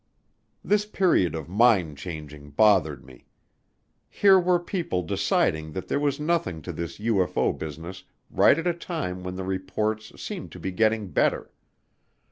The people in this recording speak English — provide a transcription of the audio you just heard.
This period of "mind changing" bothered me. Here were people deciding that there was nothing to this UFO business right at a time when the reports seemed to be getting better.